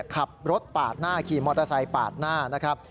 ขับรถปาดหน้าขี่มอเตอร์ไซค์ปาดหน้านะครับ